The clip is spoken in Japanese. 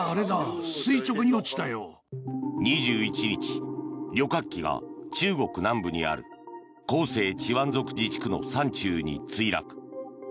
２１日、旅客機が中国南部にある広西チワン族自治区の山中に墜落。